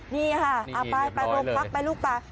นี่ค่ะเอาไปลูกพักลูกไป